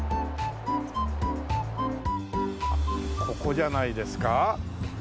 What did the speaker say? ここじゃないですか？